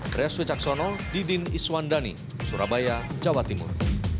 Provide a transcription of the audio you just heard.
kreswe caksono didin iswandani surabaya jawa timur